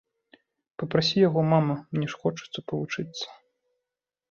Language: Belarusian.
Папрасі яго, мама, мне ж хочацца павучыцца.